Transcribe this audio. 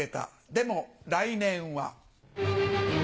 でも来年は。